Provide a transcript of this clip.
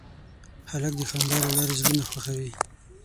هلک د خندا له لارې زړونه خوښوي.